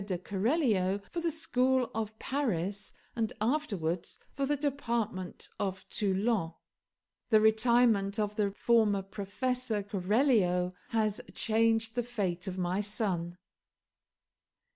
de Keralio for the school of Paris, and afterwards for the department of Toulon. The retirement of the former professor (Keralio) has changed the fate of my son."